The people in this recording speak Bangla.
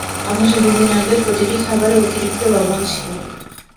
অথচ দুদিন আগে প্রতিটি খাবারে অতিরিক্ত লবণ ছিল।